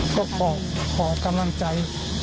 ก็ขอกำลังใจ